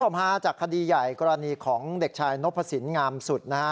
ฮาจากคดีใหญ่กรณีของเด็กชายนพสินงามสุดนะฮะ